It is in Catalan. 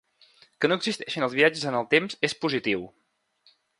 Que no existeixin els viatges en el temps és positiu.